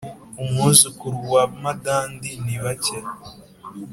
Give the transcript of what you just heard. umwuzukuru wa madandi ni bake